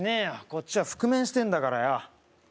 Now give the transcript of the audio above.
こっちは覆面してんだからよ